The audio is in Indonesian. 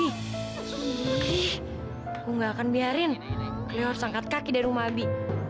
ih aku enggak akan biarin cleo harus angkat kaki dari rumah abi